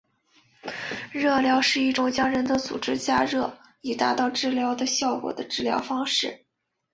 热疗是一种将人的组织加热以达到治疗的效果的治疗方式。